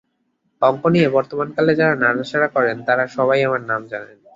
অঙ্ক নিয়ে বর্তমানকালে যাঁরা নাড়াচাড়া করেন, তাঁরা সবাই আমার নাম জানেন!